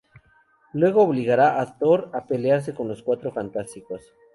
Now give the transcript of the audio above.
Luego obligará a Thor a pelearse con los Cuatro Fantásticos.